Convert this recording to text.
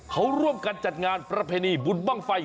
เขาร่วมกันจัดงานประเพณีบุญบ้างไฟ